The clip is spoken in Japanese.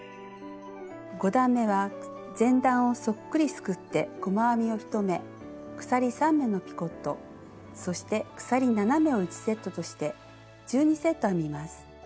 ５段めは前段をそっくりすくって細編みを１目鎖３目のピコットそして鎖７目を１セットとして１２セット編みます。